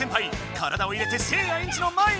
体を入れてせいやエンジの前に！